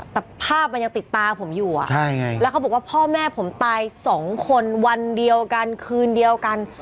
แต่ภาพมันยังติดตาผมอยู่แล้วเขาบอกว่าพ่อแม่ผมตายสองคนวันเดียวกันคืนเดียวกัน